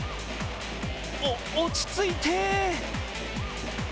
お、落ち着いて！